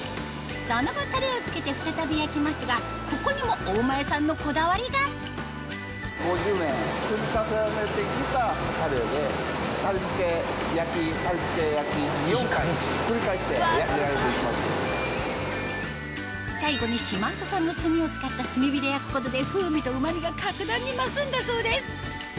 その後タレをつけて再び焼きますがここにも大前さんのこだわりが最後に四万十産の炭を使った炭火で焼くことで風味とうま味が格段に増すんだそうです